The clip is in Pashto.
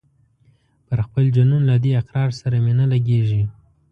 پر خپل جنون له دې اقرار سره مي نه لګیږي